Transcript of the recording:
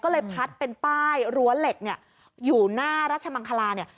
ก็เลยพัดเป็นป้ายรั้วเหล็กอยู่หน้าราชมังคลา